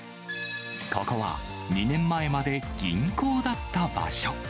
ここは２年前まで銀行だった場所。